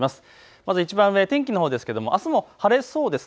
まずいちばん上、天気のほうですけれどもあすも晴れそうです。